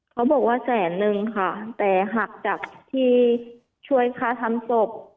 เขาบอกว่าแสนนึงค่ะแต่หักจากที่ช่วยค่าทำศพ